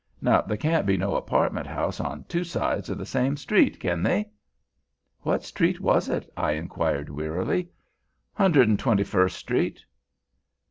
Now there can't be no apartment house on two sides of the same street, kin they?" "What street was it?" I inquired, wearily. "Hundred 'n' twenty first street."